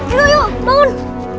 yuk yuk bangun